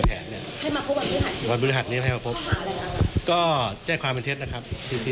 เพื่อจะยืนยันคำให้การเดิมครับ